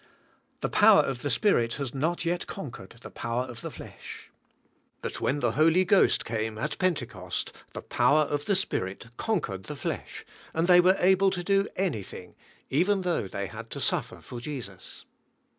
The power of the spirit has not yet con quered the power of the flesh." But when the Holy Ghost came at Pentecost, the power of the Spirit conquered the flesh, and they were able to do any thing , even thoug h they had to suffer for Jesus.